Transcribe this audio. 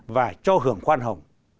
và cho hưởng khoan hồng